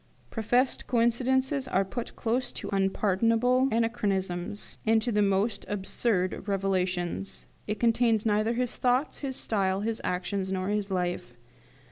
Professed coincidences are put close to unpardonable anachronisms, and to the most absurd revelations. It contains neither his thoughts, his style, his actions, nor his life.